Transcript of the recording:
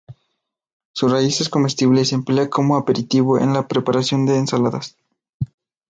Su raíz es comestible y se emplea como aperitivo en la preparación de ensaladas.